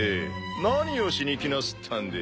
何をしに来なすったんで？